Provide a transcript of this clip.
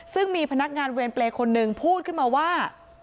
ซึ่งมีพนักงานเวรเปรย์คนหนึ่งพูดขึ้นมาว่า